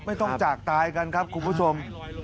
ไม่ต้องจากตายกันครับคุณผู้สม